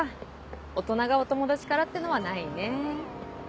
大人がお友達からっていうのはないね。